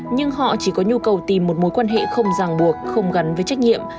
nhưng họ chỉ có nhu cầu tìm một mối quan hệ không giảng buộc không gắn với trách nhiệm